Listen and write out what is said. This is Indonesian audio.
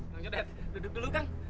kang jodet duduk dulu kang